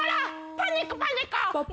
パニックパニック！